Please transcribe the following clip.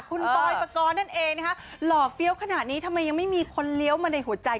คุณปอยปกรณ์นั่นเองนะคะหล่อเฟี้ยวขนาดนี้ทำไมยังไม่มีคนเลี้ยวมาในหัวใจ